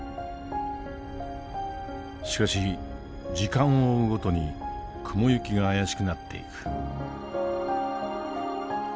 しかし時間を追うごとに雲行きが怪しくなっていく。